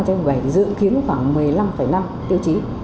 thì dự kiến khoảng một mươi năm năm tiêu chí